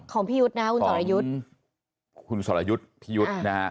ของพี่ยุทธ์นะครับคุณสลายุทธ์